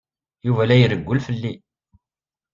Yuba la irewwel fell-i.